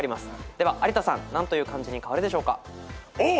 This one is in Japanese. では有田さん何という漢字に変わるでしょうか？